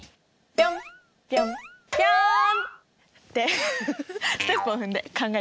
ぴょんぴょんぴょん！